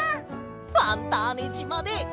ファンターネじまで。